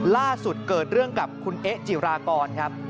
เกิดเรื่องกับคุณเอ๊ะจิรากรครับ